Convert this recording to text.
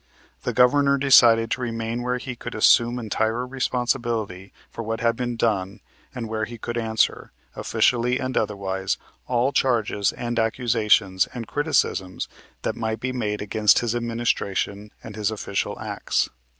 The Governor decided to remain where he could assume entire responsibility for what had been done and where he could answer, officially and otherwise, all charges and accusations and criticisms that might be made against his administration and his official acts.